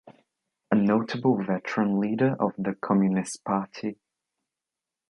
A notable veteran leader of the Communist Party.